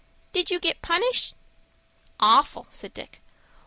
"Did you get punished?" "Awful," said Dick.